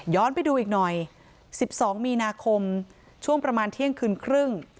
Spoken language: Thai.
ไปดูอีกหน่อย๑๒มีนาคมช่วงประมาณเที่ยงคืนครึ่ง